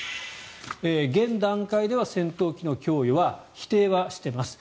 現段階では戦闘機の供与は否定はしています。